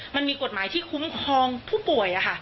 มันมีกฎหมายที่คุ้มครองผู้ป่วย